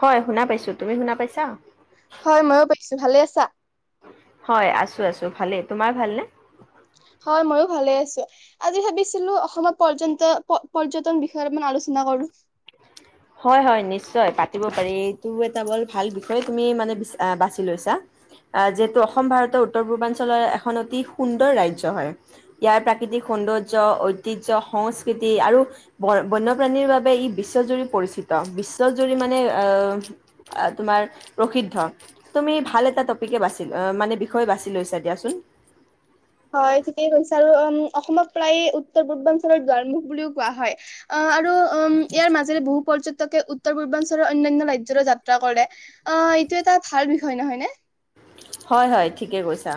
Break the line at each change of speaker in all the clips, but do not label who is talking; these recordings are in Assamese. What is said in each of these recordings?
হয় শুনা পাইছো, তুমি শুনা পাইছা?
হয় ময়ো পাইছো, ভালে আছে। চাত [unintelligible]
হয় আছো, আছো ভালেই, তোমাৰ ভালনে?
হয় ময়ো ভালে আছো, আজি ভাবিছিলো অসমত পৰ্যন্ত পৰ্যটন বিষয়ে অলপমান আলোচনা কৰোঁ।
হয়, হয় নিশ্চয় প দিব পাৰি, এইটো এটা বৰ ভাল বিষয়ে তুমি মানে অ' বাছি লৈছা, আহ যিহেতু অসম ভাৰতৰ উত্তৰ পূৰ্বাঞ্চলৰ এখন অতি সুন্দৰ ৰাজ্য হয়, ইয়াৰ প্ৰাকৃতিক সৌন্দৰ্য্য, ঐতিহ্য, সংস্কৃতি আৰু ব বন্যপ্ৰাণীৰ বাবে ই বিশ্বজুৰি পৰিচিত, বিশ্বজুৰি মানে তোমাৰ প্ৰসিদ্ধ, তুমি ভাল এটা টপিকে বাছি মানে বিষয়ে বাছি লৈঁছা দিয়াচোন।
হয় ঠিকেই কৈছে আৰু উম অসমক প্ৰায় উত্তৰ পূৰ্বাঞ্চলৰ দুৱাৰমুখ বুলিও কোৱা হয়, অ' আৰু উম ইয়াৰ মাজেৰে বহু পৰ্য উত্তৰ পূৰ্বাঞ্চলৰ অন্যান্য ৰাজ্যলৈ যাত্ৰা কৰে, অ', এইটো এটা ভাল বিষয় নহয়নে?
হয়, হয়, ঠিকে কৈছা।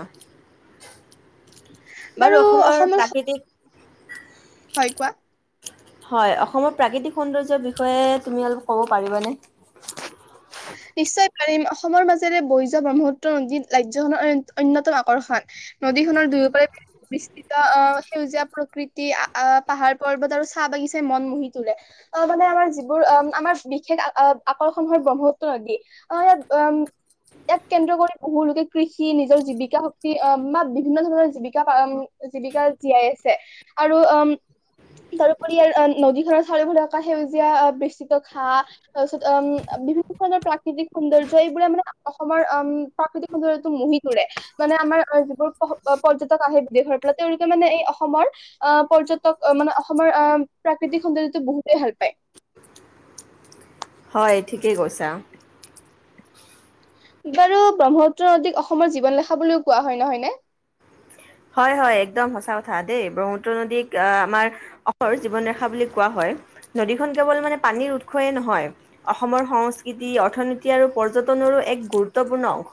বাৰু অসমৰ প্ৰাকৃতিক
হয় কোৱা।
হয়, অসমৰ প্ৰাকৃতিক সৌন্দৰ্যৰ বিষয়ে তুমি অলপ ক'ব পাৰিবানে?
নিশ্চয় অসমৰ মাজেৰে বৈ যোৱা ব্ৰহ্মপুত্ৰ নদীত ৰাজ্যখনৰ অন্যতম আকৰ্ষণ, নদীখনৰ দুয়োপাৰে পৰিস্থিত আহ সেউজীয়া প্ৰকৃতি আহ পাহাৰ, পৰ্বত আৰু চাহ বাগিচাই মন মুহি তোলে, আহ মানে আমাৰ যিবোৰ আমাৰ বিশেষ আকৰ্ষণ হয় ব্ৰহ্মপুত্ৰ আহ ইয়াত উম ইয়াক কেন্দ্ৰ কৰি বহু লোকে কৃষি নিজৰ জীৱিকা শক্তি বা বিভিন্ন ধৰণৰ জীৱিকা, জীৱিকা জীয়াই আছে আৰু উম তাৰোপৰি ইয়াৰ নদীখনৰ চাৰিওফালে থকা সেউজীয়া বিস্থিত ঘাঁহ তাৰপিছত উম বিভিন্ন ৰণৰ প্ৰাকৃতিক সৌন্দৰ্যয় এইবোৰে মানে অসমৰ আহ প্ৰাকৃতিক সৌন্দৰ্যটো মুহি তুৰে মানে আমাৰ যিবোৰ পৰ্যটক আহে বিদেশৰ পৰা তেওঁলোকে মানে এই অসমৰ আহ পৰ্যটক মানে অসমৰ আহ প্ৰাকৃতিক সৌন্দৰ্যটো বহুতেই ভাল পায়।
হয় ঠিকেই কৈছা।
বাৰু ব্ৰহ্মপুত্ৰ নদীক অসমৰ জীৱন লেখা বুলিও কোৱা হয়, নহয়নে?
হয়, হয় একদম সঁচা কথা দেই ব্ৰহ্মপুত্ৰ নদীক আহ আমাৰ অসমৰ জীৱন ৰেখা বুলি কোৱা হয়। নদীখন কেৱল মানে পানীৰ উৎসয়ে নহয় অসমৰ সংস্কৃতি, অৰ্থনীতি আৰু পৰ্যটনৰো এক গুৰুত্বপূৰ্ণ অংশ,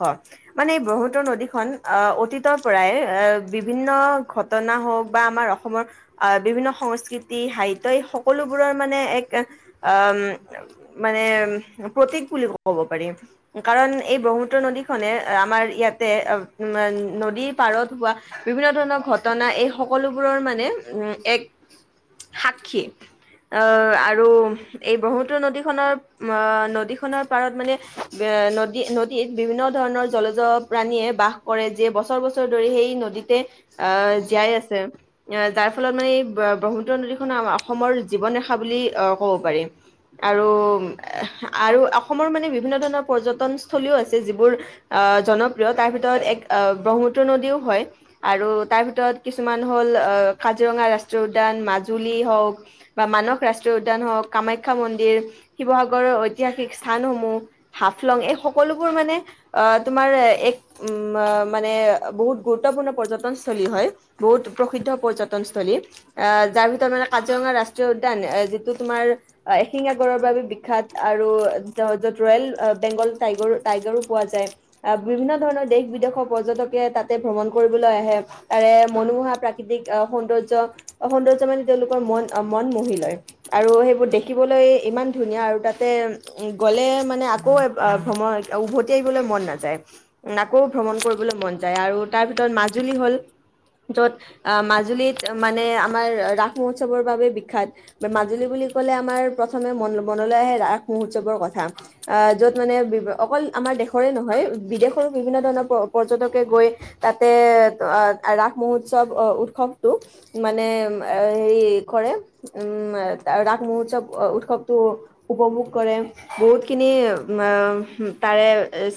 মানে ব্ৰহ্মুত্ৰ নদীখন আহ অতীতৰ পৰাই আহ বিভিন্ন ঘটনা হওক বা আমাৰ অসমৰ বিভিন্ন সংস্কৃতি, সাহিত্য এই সকলোবোৰৰ মানে এক মানে প্ৰতীক বুলি ক'ব পাৰি, কাৰণ এই ব্ৰহ্মুত্ৰ নদীখনে আমাৰ ইয়াতে নদীৰ পাৰত হোৱা বিভিন্ন ধৰণৰ ঘটনা এই সকলোবোৰৰ মানে উ এক সাক্ষী অ' আৰু এই ব্ৰহ্মপুত্ৰ নদীখনৰ আহ নদীখনৰ পাৰত মানে নদী নদীত বিভিন্ন ধৰণৰ জলজপাণীয়ে বাস কৰে যিয়ে বছৰ বছৰ ধৰি সেই নদীত আহ জীয়াই আছে অ' যাৰ ফলত মানে এই ব্ৰহ্মপুত্ৰ নদীখনৰ অসমৰ জীৱন ৰেখা বুলি আহ ক'ব পাৰি আৰু আৰু অসমৰ মানে বিভিন্ন ধৰণৰ পৰ্যটনস্থ্থলীও আছে যিবোৰ আহ জনপ্ৰিয় তাৰ ভিতৰত এক আহ ব্ৰহ্মপুত্ৰ নদীও হয়। আৰু তাৰ ভিতৰত কিছুমান হ'ল কাজিৰঙা ৰাস্তা ৰাষ্ট্ৰীয় উদ্যান, মাজুলী হওঁক বা মানস ৰাষ্ট্ৰীয় উদ্যান হওঁক, কামাখ্যা মন্দিৰ শিৱসাগৰৰ ঐতিহাসিক স্থানসমূহ, হাফলং, এই সকলোবোৰ মানে অ', তোমাৰ এক উ মানে বহুত গুৰুত্বপূৰ্ণ পৰ্যটনস্থলী হয়, বহুত প্ৰসিদ্ধ পৰ্যটনস্থলী আহ যাৰ ভিতৰত মানে কাজিৰঙা ৰাষ্ট্ৰীয় উদ্যান এ যিটো তোমাৰ এশিঙিয়া গড়ৰ বাবে বিখ্যাত আৰু য'ত ৰয়েল বেংগল টাইগৰ, টাইগাৰো পোৱা যায় বিভিন্ন ধৰণৰ দেশ বিদেশৰ পৰ্যটকে তাতে ভ্ৰমণ কৰিবলৈ আহে তাৰে মনোমোহা প্ৰাকৃতিক আহ সৌন্দৰ্য্য, সৌন্দৰ্য মানে তেওঁলোকৰ মন, মন মোহি লয়। আৰু সেইবোৰ দেখিবলৈ ইমান ধুনীয়া আৰু তাতে গ'লে মানে আকৌ আহ ভ্ৰমণ উভতি আহিবলৈ মন নাযায় আকৌ ভ্ৰমণ কৰিবলৈ মন যায় আৰু তাৰ ভিতৰত মাজুলী হ'ল। য'ত আহ, মাজুলীত মানে আমাৰ ৰাস মহোৎসৱৰ বাবে বিখ্যাত। মাজুলী বুলি ক'লে আমাৰ প্ৰথমে মন মনলৈ আহে ৰাস মহোৎসৱৰ কথা। আহ য'ত মানে বি অকল আমাৰ দেশৰে নহয়, বিদেশৰো বিভিন্ন ধৰণৰ প পৰ্যটকে গৈ এ' ৰাস মহোৎসৱ আহ, উৎসৱটো মানে হেৰি কৰে, উম, ৰাস মহোৎসৱ উৎসৱটো উপভোগ কৰে বহুতখিনি তাৰে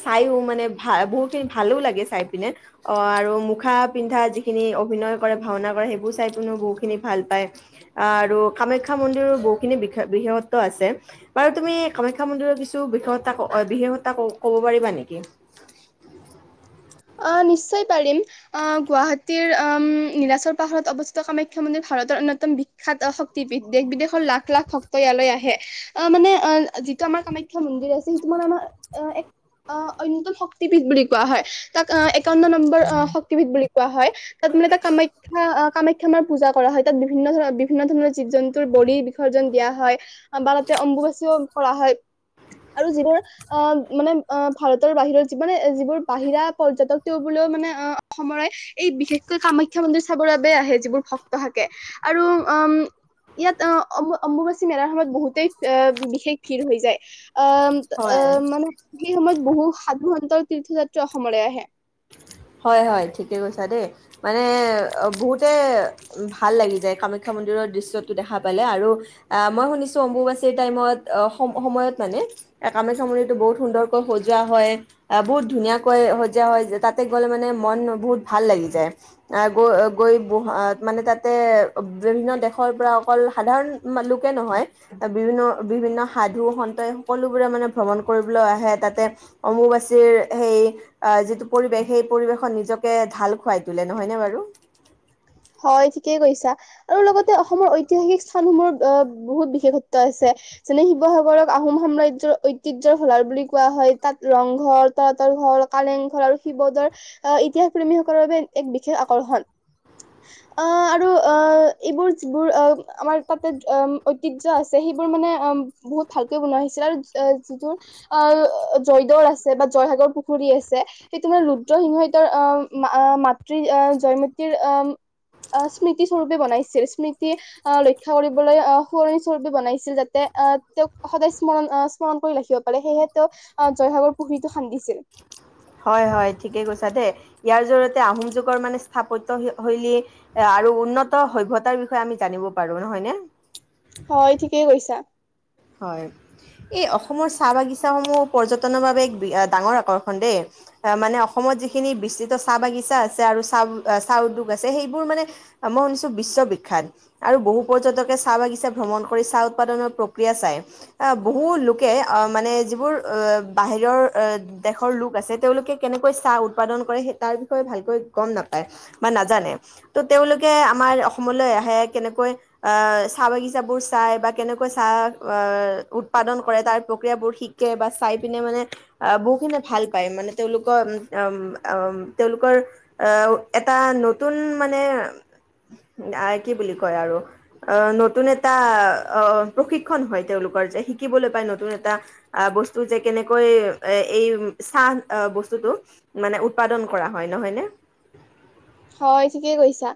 চাইও মানে ভা বহুতখিনি ভালো লাগে চাই পিনে। অ' আৰু মুখা পিন্ধা যিখিনি অভিনয় কৰে, ভাওনা কৰে, সেইবোৰ চাই পিনেও বহুখিনি ভাল পায়। আহ, আৰু কামাখ্যা মন্দিৰৰ বহুখিনি বিশেষত্ব আছে, বাৰু তুমি কামাখ্যা মন্দিৰৰ কিছু বিশেষতা বিশেষতা পাৰিবা নেকি?
আহ, নিশ্চয় পাৰিম। আহ গুৱাহাটীৰ আহ নীলাচৰ পাহাৰত অৱস্থিত কামাখ্যা মন্দিৰ ভাৰতৰ অন্যতম বিখ্যাত শক্তিপীঠ। দেশ-বিদেশৰ লাখ লাখ ভক্ত ইয়ালৈ আহে। আ মানে, যিটো আমাৰ কামাখ্যা মন্দিৰ আছে, সেইটো মানে আমাৰ এক আহ অন্যতম শক্তিপীঠ বুলি কোৱা হয়। তাক অ' এক কৌন্ন নম্বৰ অ' শক্তিপীঠ বুলি কোৱা হয়। তাত মানে এটা কামাখ্যা কামাখ্যা মাৰ পূজা কৰা হয়, তাত বিভিন্ন ধৰৰ বিভিন্ন ধৰণৰ জীৱ-জন্তুৰ বলি বিসৰ্জন দিয়া হয়। আ বাৰতে অম্বুবাচীও কৰা হয় আৰু যিবোৰ, আহ, মানে ভাৰতৰ বাহিৰত যিমানে যিবোৰ বাহিৰা পৰ্যটক তেওঁ বোলেও মানে অ' অসমৰে এই বিশেষকৈ কামাখ্যা মন্দিৰ চাবৰ বাবে আহে। যিবোৰ ভক্ত থাকে, আৰু উম ইয়াত অম-অম্বুবাচী মেলাৰ সময়ত বহুতেই আহ বিশেষ ভিৰ হৈ যায়। অ'
হয়
অ' মানে সেই সময়ত বহু সাধু-সন্তৰ তীৰ্থযাত্ৰা। অসমলৈ আহে
হয় হয় ঠিকে কৈছা দেই মানে বহুত তে ভাল লাগি যায়। কামাখ্যা মন্দিৰৰ দৃশ্যটো দেখা পালে আৰু আহ মই শুনিছো অম্বুবাচীৰ টাইমত সম সময়ত মানে কামাখ্যা মন্দিৰতটো বহুত সুন্দৰকৈ সজোৱা হয়। আহ বহুত ধুনীয়াকৈ সজোৱা হয় যে তাত তাতে গ'লে মানে মন বহুত ভাল লাগি যায় আহ গৈ গৈ মানে তাতে বিভিন্ন দেশৰ পৰা অকল সাধাৰণ লোকে নহয় বিভিন্ন বিভিন্ন সাধু সন্ত সকলোবোৰে মানে ভ্ৰমণ কৰিবলৈ আহে তাতে অমুবাচীৰ সেই যিটো পৰিৱেশ সেই পৰিৱেশত নিজকে ঢাল খুৱাই তোলে নহয়নে বাৰু
হয় ঠিকেই কৈছা আৰু লগতে অসমৰ ঐতিহাসিক স্থানসমূহ অ বহুত বিশেষত্ব আছে যেনে শিৱসাগৰক আহোম সাম্ৰাজ্যৰ ঐতিহ্যৰ ভলাৰ বুলি কোৱা হয় তাত ৰংঘৰ তলাতল ঘৰ কালেংঘৰ আৰু শিৱদৌল আ ইতিহাস প্ৰেমীসকলৰ বাবে এক বিশেষ আকৰ্ষণ। অঁ আৰু অঁ এইবোৰ যিবোৰ অঁ আমাৰ তাতে ঐতিহ্য আছে সেইবোৰ মানে অঁ বহুত ভালকৈ বনোৱা হৈছিল আৰু যিবোৰ আ জয়দৌল আছে বা জয়সাগৰ পুখুৰী আছে সেইটো মানে ৰুদ্ৰসিংহই তেওঁৰ আহ মাতৃ আ জয়মতীৰ আ আ স্মৃতি স্বৰূপে বনাইছিল স্মৃতি আ ৰক্ষা কৰিবলৈ আ সুৱৰণি স্বৰূপে বনাইছিল যাতে আ তেওঁক সদায় স্মৰণ স্মৰণ কৰি ৰাখিব পাৰে সেয়েহে তেওঁ আ জয়সাগৰ পুখুৰীটো খান্দিছিল
হয় হয় ঠিকেই কৈছা দেই ইয়াৰ জৰিয়তে আহোম যুগৰ মানে স্থাপত্য শৈলী এ আৰু উন্নত সভ্যতাৰ বিষয়ে আমি জানিব পাৰো নহয় ন
হয় ঠিকেই কৈছা
হয় এই অসমৰ চাহ বাগিচাস সমূহ পৰ্যটনৰ বাবে এক ডাঙৰ আকৰ্ষণ দেই মানে অসমত যিখিনি বিস্তৃত চাহ বাগিছা আছে আৰু চাহ চাহ উদ্যোগ আছে সেইবোৰ মানে মই শুনিছো বিশ্ববিখ্যাত আৰু বহু পৰ্যটকে চাহ বাগিছা ভ্ৰমণ কৰি চাহ উৎপাদনৰ ক্ৰিয়া চাই বহু লোকে অ মানে যিবোৰ অঁ বাহিৰৰ দেশৰ লোক আছে তেওঁলোকে কেনেকৈ চাহ উৎপাদন কৰে তাৰ বিষয়ে ভালকৈ গম নাপায় বা নাজানে ত' তেওঁলোকে আমাৰ অসমলৈ আহে কেনেকৈ আ চাহ বাগিচাবোৰ চাই বা কেনেকৈ চাহ অঁ উৎপাদন কৰে তাৰ প্ৰক্ৰিয়াবোৰ শিকে বা চাই পিনে মানে আ বহুখিনি ভাল পায় মানে তেওঁলোকৰ তেওঁলোকৰ আ উম আ উম তেওঁলোকৰ আ এটা নতুন মানে কি বুলি কয় আৰু অ নতুন এটা অ প্ৰশিক হয় তেওঁলোকৰ যে শিকিবলৈ পাই নতুন এটা। আ বস্তু যে কেনেকৈ এই চাহ বস্তুটো মানে উৎপাদন কৰা হয় নহয়নে
হয় ঠিকেই কৈছা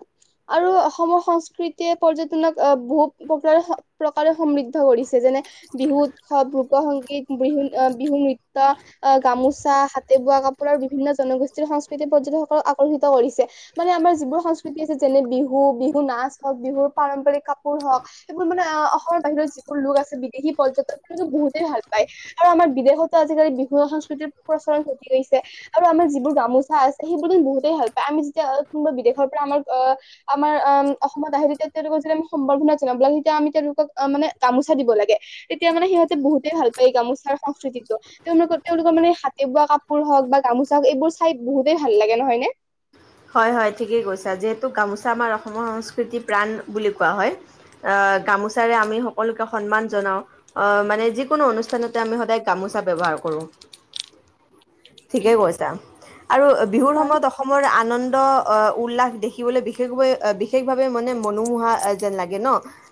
আৰু অসমৰ সাংস্কৃতিয়ে পৰ্যটনক আ বহুত প্ৰকাৰে সমৃদ্ধ কৰিছে যেনে বিহুত উৎসৱ লোকসংগীত বিহ বিহু নৃত্য আ গামোচা হাতে বোৱা কাপোৰ আৰু বিভিন্ন জনগোষ্ঠীৰ সাংস্কৃতিকৰ পৰ্যটন সকলক আকৰ্ষিত কৰিছে। মানে আমাৰ যিবোৰ সংস্কৃতি আছে যেনে বিহু বিহু নাচ হওক বিহুৰ পাৰম্পৰিক কাপোৰ হওক সেইবোৰ মানে অসমৰ বাহিৰত যিবোৰ লোক আছে বিদেশী পৰ্যটক সলোকে বহুতেই ভাল পায় আৰু আমাৰ বিদেশতো আজিকালি বিহু সংস্কৃতিৰ প্ৰচলন ঘটি গৈছে আৰু আমাৰ যিবোৰ গামোচা আছে সেইবোৰি বহুতেই ভাল পায় আমি যেতিয়া কোনোবা বিদেশৰ পৰা আমাৰ আহ আমাৰ আ অসমত আহে তেতিয়া তেওঁলোকক যেতিয়া আমি সম্বৰ্ধনা জনাব লাগে তেতিয়া আমি তেওঁলোকক আহ মানে গামোচা দিব লাগে তেতিয়া মানে সিহঁতে বহুতেই ভাল পায় এই গামোচা সংস্কৃতিটো তেওঁলোকৰ তেওঁলোকৰ মানে হাতে বোৱা কাপোৰ হওক বা গামোচা হওক এইবোৰ চাই বহুতেই ভাল লাগে নহয় ন
হয় হয় ঠিকেই কৈছা যিহেতু গামোচা আমাৰ অসমৰ সংস্কৃতি প্ৰাণ বুলি কোৱা হয় আহ গামোচাৰে আমি সকলোকে সন্মান জনাও আহ মানে যিকোনো অনুষ্ঠানতে আমি সদায় গামোচা ব্য্ৱহাৰ কৰো। ঠিকেই কৈছা। আৰু বিহুৰ
হয়
সময়ত অসমৰ আনন্দ উল্লাস দেখিবলৈ বিশেষভে বিশেষভাৱে মানে মনোমোহা যেন লাগে ন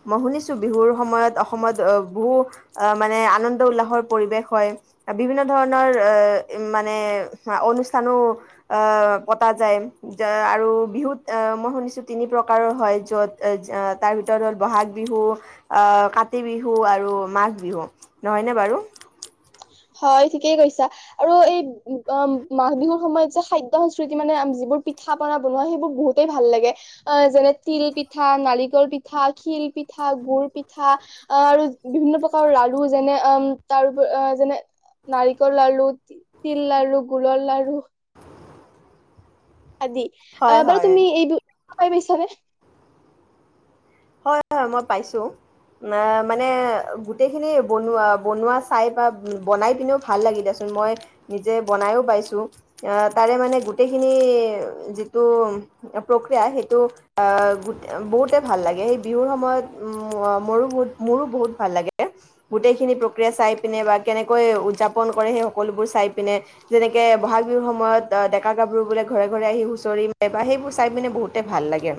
মই শুনিছো বিহুৰ সময়ত অসমত আহ বহু আহ মানে আনন্দ উল্লাসৰ পৰিৱেশ হয় বিভিন্ন ধৰণৰ অ উ মানে অনুষ্ঠানো অ পতা যায় আৰু বিহুত মই শুনিছো তিনি প্ৰকাৰৰ হয় য'ত তাৰ ভিতৰত হ'ল বহাগ বিহু আহ কাতি বিহু আৰু মাঘ বিহু নহয়নে বাৰু।
হয় ঠিকেই কৈছা আৰু এই মাঘ বিহুৰ সময়ত যে খাদ্য সংস্কৃতি মানে যিবোৰ পিঠা পনা বনোৱা সেইবোৰ বহুতেই ভাল লাগে অ যেনে তিল পিঠা নাৰিকল পিঠা শিল পিঠা গুৰ পিঠা আহ আৰু বিভিন্ন প্ৰকাৰৰ লাৰু যেনে অ তাৰ যেনে নাৰিকল লাৰু তিল লাৰু গোলৰ লাৰু আদি
হয়
বাৰু
হয়
তুমি এই খায় পাইচা নে?
হয় হয় মই পাইছোঁ মানে গোটেইখিনি বনোৱা বনোৱা চাই বা বনাই পনেও ভাল লাগি দেিয়চোন মই নিজে বনায়ো পাইছোঁ তাৰে মানে গোটেইখিনি যিটো প্ৰক্ৰিয়া সেইটো বহুতে ভাল লাগে। সেই বিহুৰ সময়ত মোৰো বহুত ভাল লাগে গোটেইখিনি প্ৰক্ৰিয়া চাই পিনে বা কেনেকৈ উদযাপন কৰে সেই সকলোবোৰ চাই পিনে যেনেকে বহাগ বিহুৰ সময়ত ডেকা গাভৰু বোলে ঘৰে ঘৰে আহি হুঁচৰি ম বা সেইবোৰ চাই পিনে বহুতে ভাল লাগে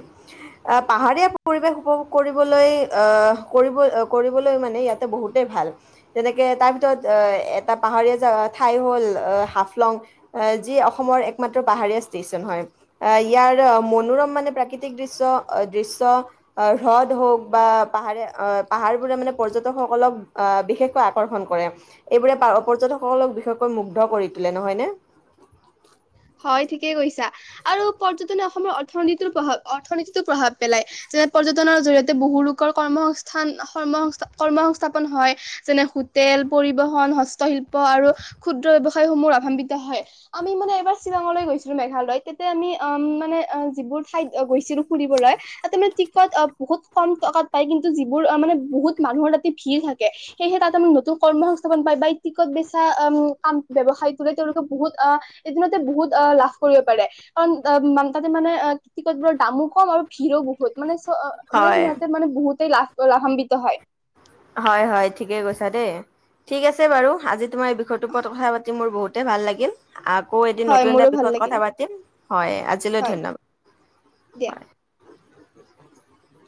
পাহাৰীয়া পৰিৱেশ উপভোগ কৰিবলৈ আহ কৰিব কৰিবলৈ মানে ইয়াতে বহুতেই ভাল যেনেকে তাৰ ভিতৰত এটা পাহাৰীয়া ঠাই হ'ল হাফলং যি অসমৰ একমাত্ৰ পাহাৰীয়া ষ্টেচন হয় ইয়াৰ মনোৰম মানে প্ৰাকৃতিক দৃশ্য দৃশ্য আহ হ্ৰদ হওক বা পাহাৰে আহ পাহাৰবোৰে মানে পৰ্যটকসকলক আহ বিশেষকৈ আকৰ্ষণ কৰে এইবোৰে পৰ্যকসকলক বিশেষকৈ মুগ্ধ কৰি তোলে নহয়নে।
হয় ঠিকেই কৈছা আৰু পৰ্যটনে অসমৰ অৰ্থনীতিো প্ৰভাৱ অৰ্থনীতিটো প্ৰভাৱ পেলাই যেনে পৰ্যটনৰ জৰিয়িয়তে বহু লোকৰ কৰ্ম সংস্থানৰ্মসস্থ কৰ্ম সংস্থাপন হয় যেনে হোটেল পৰিবহন হস্তশিল্প আৰু ক্ষুদ্ৰ ব্ৱসায়সমূহ লাভান্বিত হয় আমি মানে এবাৰ শ্বিলঙলৈ গৈছিলো মেঘালয় তাতে আমি অম মানে যিবোৰ ঠাইত গৈছিলো ফুৰিবলৈ তাতে মানে টিকট অ বহুত কম টকাত পায় কিন্তু যিবোৰ মানে বহুত মানুহৰ তাতে ভিৰ থাকে সেয়েহে তাত আমি নতুন কৰ্ম সংস্থাপন পায় বা টিকট বেচা কাম ব্য়সায় তোলে তেওঁলোকে বহুত এদিত বহুত অ লাভ কৰিব পাৰে কাৰণ তাতে তিকটৰ দামো কম আৰু ভিৰো বহুত মানে অ মানে
হয়
সিহঁতে মানে বহুত লাভ লাভান্বিত হয়।
হয় হয় ঠিকে কৈছা দেই ঠিক আছে বাৰু আজি তোমাৰ বিখয় তো ওপৰত কথাা মোৰ বহুত তে ভাল লাগিল। আকৌ এদিন
হয়
নতুন
মোৰো
এটা
ভাল
বিষয়ত
লাগিল
কথা পাতিম হয় আজিলৈ
হয়
ধন্যবাদ
দিয়া
হয়। [inaudible]